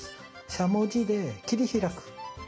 しゃもじで切り開く。